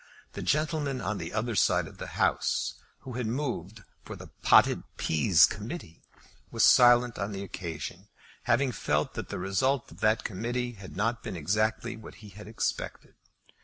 The gentleman on the other side of the House who had moved for the Potted Peas Committee, was silent on the occasion, having felt that the result of that committee had not been exactly what he had expected.